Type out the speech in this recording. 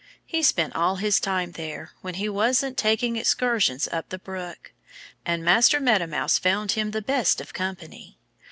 He spent all his time there when he wasn't taking excursions up the brook. And Master Meadow Mouse found him the best of company.